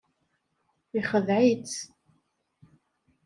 Yexdeɛ-itt.